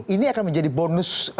ini akan menjadi bonus